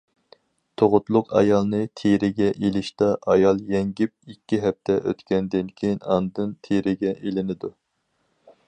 تۇغۇتلۇق ئايالنى تېرىگە ئېلىشتا ئايال يەڭگىپ ئىككى ھەپتە ئۆتكەندىن كېيىن ئاندىن تېرىگە ئېلىنىدۇ.